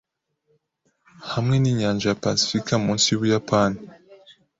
hamwe n’inyanja ya pasifika munsi y’Ubuyapani